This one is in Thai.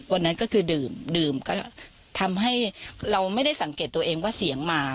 วันนั้นก็คือดื่มดื่มก็ทำให้เราไม่ได้สังเกตตัวเองว่าเสียงมา